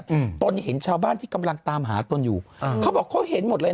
อืมตนเห็นชาวบ้านที่กำลังตามหาตนอยู่อ่าเขาบอกเขาเห็นหมดเลย